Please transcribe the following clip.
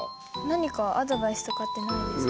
何かアドバイスとかってないですか？